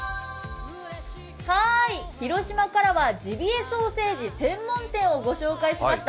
広島からはジビエソーセージ専門店をご紹介しました。